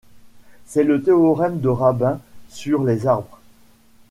C'est le théorème de Rabin sur les arbres.